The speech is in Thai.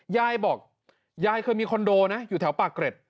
ยายบอกยายเคยมีคอนโดนะอยู่แถวปากเกร็ด